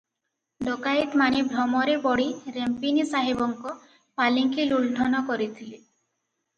ଡକାଏତମାନେ ଭ୍ରମରେ ପଡି ରେମ୍ପିନି ସାହେବଙ୍କ ପାଲିଙ୍କି ଲୁଣ୍ଠନ କରିଥିଲେ ।